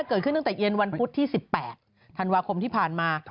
เกิดขึ้นตั้งแต่เย็นวันพุธที่๑๘ธันวาคมที่ผ่านมา